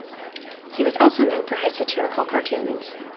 He was also known for his satirical cartoons.